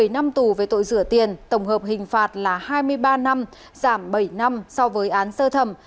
bảy năm tù về tội rửa tiền tổng hợp hình phạt là hai mươi ba năm giảm bảy năm so với án sơ thẩm